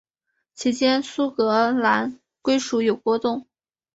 期间苏格兰归属有波动。